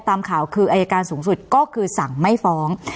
ตามข่าวคืออายการสูงสุดก็คือสั่งไม่ฟ้อง